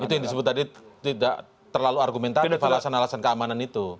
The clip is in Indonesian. itu yang disebut tadi tidak terlalu argumentatif alasan alasan keamanan itu